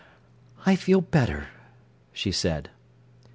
"I feel better," she said.